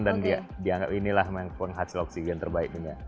dan dianggap inilah yang menghasil oksigen terbaik dunia